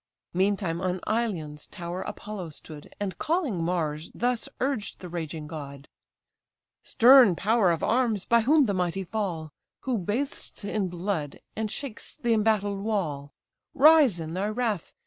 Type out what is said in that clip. Meantime on Ilion's tower Apollo stood, And calling Mars, thus urged the raging god: "Stern power of arms, by whom the mighty fall; Who bathest in blood, and shakest the embattled wall, Rise in thy wrath!